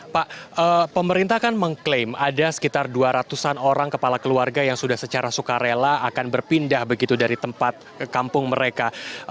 pak pemerintah kan mengklaim ada sekitar dua ratus an orang kepala keluarga yang sudah secara sukarela akan berpindah begitu dari tempat ke kampung mereka